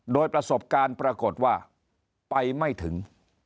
โดยประสบการณ์ปรากฏว่าไปไม่ถึง